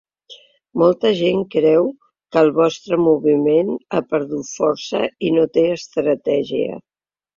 Molta gent creu que el vostre moviment ha perdut força i no té estratègia.